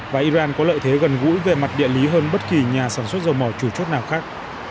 và iran có lợi thế gần gũi về mặt địa lý hơn bất kỳ nhà sản xuất dầu mỏ chủ chốt nào khác